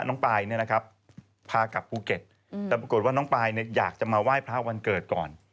ปายเนี่ยนะครับพากลับภูเก็ตแต่ปรากฏว่าน้องปายอยากจะมาไหว้พระวันเกิดก่อน